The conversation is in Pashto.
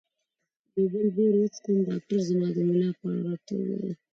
یو بل بیر وڅښم؟ ډاکټر زما د ملا په اړه راته وویل.